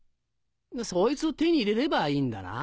そいつを手に入れればいいんだな？